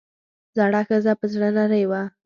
زړه ښځه پۀ زړۀ نرۍ وه ـ